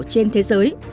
trên thế giới